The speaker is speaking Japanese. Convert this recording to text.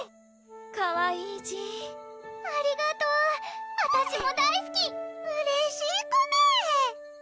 かわいい字ありがとうあたしも大すきうれしいコメ！